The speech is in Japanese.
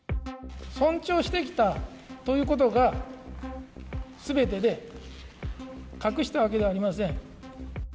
尊重してきたということがすべてで、隠したわけではありません。